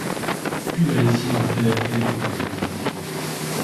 Cuve à lessive en terre déposée dans le grenier.